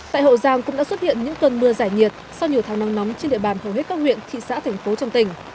tại hậu giang cũng đã xuất hiện những cơn mưa giải nhiệt sau nhiều tháng nắng nóng trên địa bàn hầu hết các huyện thị xã thành phố trong tỉnh